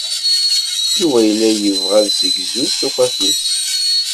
Yuba yella yebɣa assegzu s ufatus.